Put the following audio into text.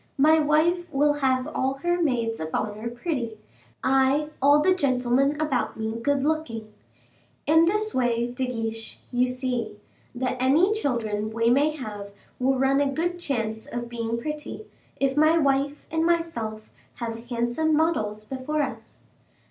My wife will have all her maids of honor pretty; I, all the gentlemen about me good looking. In this way, De Guiche, you see, that any children we may have will run a good chance of being pretty, if my wife and myself have handsome models before us."